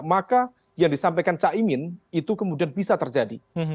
maka yang disampaikan caimin itu kemudian bisa terjadi